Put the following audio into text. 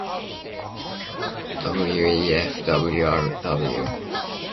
wefwrw